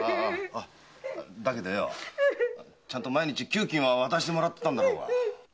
だけどよちゃんと毎日給金は渡してもらってたんだろうが。